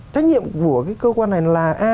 trách nhiệm của cái cơ quan này là a